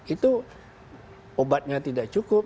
itu obatnya tidak cukup